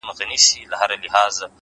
• د ژوند دوران ته دي کتلي گراني ؛